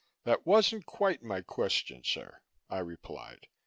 "That wasn't quite my question, sir," I replied.